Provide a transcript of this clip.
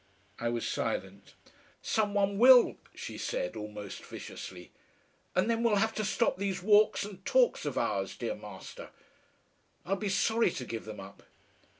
I was silent. "Some one will," she said, almost viciously. "And then we'll have to stop these walks and talks of ours, dear Master.... I'll be sorry to give them up."